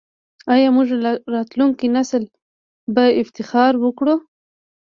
آیا زموږ راتلونکی نسل به افتخار وکړي؟